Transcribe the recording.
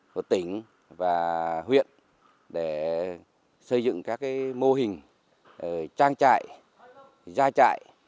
của tỉnh và huyện để xây dựng các cái mô hình trang trại ra trại